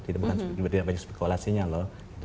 tidak banyak spekulasinya loh